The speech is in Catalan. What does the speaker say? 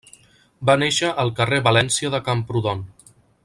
Va néixer al carrer València de Camprodon.